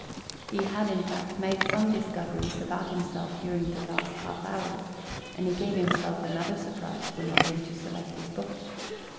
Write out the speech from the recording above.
He had, in fact, made some discoveries about himself during the last half hour, and he gave himself another surprise when he came to select his book.